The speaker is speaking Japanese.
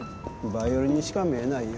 バイオリンにしか見えないよ。